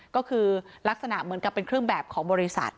ก็คือลักษณะเหมือนกับเป็นเครื่องแบบของบริษัท